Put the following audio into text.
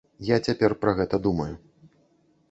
Я цяпер пра гэта думаю.